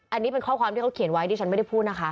อันนี้เป็นข้อความที่เขาเขียนไว้ดิฉันไม่ได้พูดนะคะ